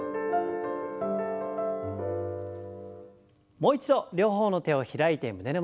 もう一度両方の手を開いて胸の前に。